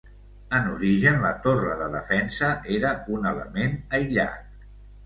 En origen, la torre de defensa era un element aïllat.